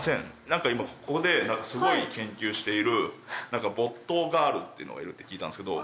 何か今ここですごい研究しているっていうのがいるって聞いてきたんですけど。